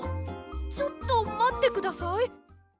ちょっとまってください。